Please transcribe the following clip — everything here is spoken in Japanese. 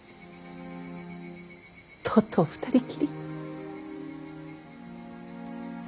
とうとう２人きり。